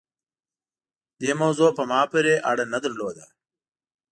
دې موضوع په ما پورې اړه نه درلوده.